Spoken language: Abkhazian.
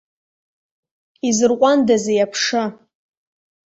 Изырҟәандазеи аԥша!